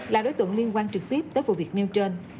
là đối tượng liên quan trực tiếp tới vụ việc nêu trên